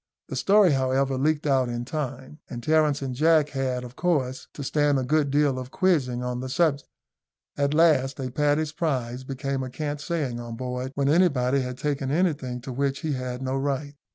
The story, however, leaked out in time, and Terence and Jack had, of course, to stand a good deal of quizzing on the subject. At last, a Paddy's Prize became a cant saying on board, when anybody had taken anything to which he had no right.